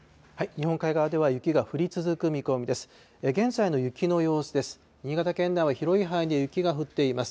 日本海側では雪が降り続く見込みです。